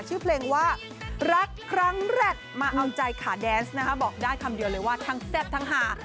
ชื่อเพลงว่ารักครั้งแรกมาเอาใจขาแดนส์นะคะบอกได้คำเดียวเลยว่าทั้งแซ่บทั้งหา